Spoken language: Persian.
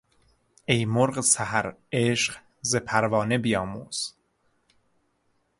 ای مرغ سحر عشق ز پروانه بیاموز